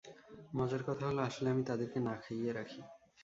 মজার কথা হলঃ আসলে আমি তাদেরকে না খাইয়ে রাখি।